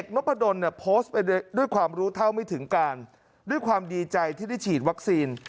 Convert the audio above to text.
นพดลเนี่ยโพสต์ไปด้วยความรู้เท่าไม่ถึงการด้วยความดีใจที่ได้ฉีดวัคซีน